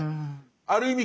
ある意味